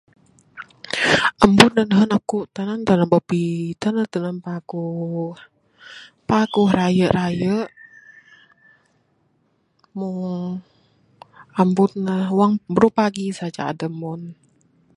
Ambun da nehen aku tanan tanan babbi, tanan tanan paguh. Paguh rayek rayek. Mung ambun ne wang brupagi saja adeh mon.